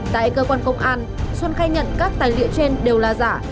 tại cơ quan công an xuân khai nhận các tài liệu trên đều là giả